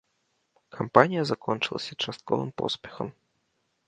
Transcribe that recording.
Кампанія закончылася частковым поспехам.